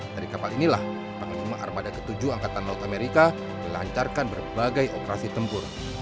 dari kapal inilah penerima armada ke tujuh angkatan laut amerika melancarkan berbagai operasi tempur